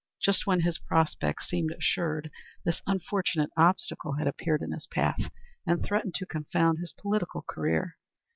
Just when his prospects seemed assured this unfortunate obstacle had appeared in his path, and threatened to confound his political career.